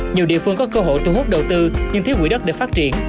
nhiều địa phương có cơ hội thu hút đầu tư nhưng thiếu quỹ đất để phát triển